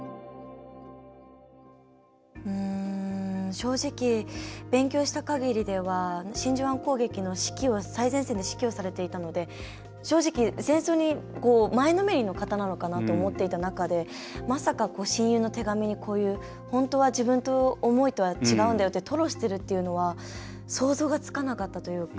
正直勉強したかぎりでは真珠湾攻撃の指揮を最前線でされていたので正直戦争に前のめりの方なのかなと思っていた中でまさか親友の手紙にこういう本当は自分の思いとは違うんだよって吐露しているっていうのは想像がつかなかったというか。